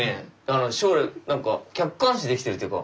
将来何か客観視できてるっていうか。